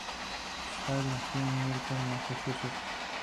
Slate nació en Milton, Massachusetts.